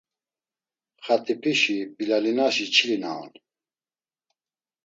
Xat̆ip̌işi, Bilalinaşi çili na on…